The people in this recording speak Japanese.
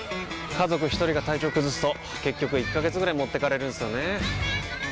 家族一人が体調崩すと結局１ヶ月ぐらい持ってかれるんすよねー。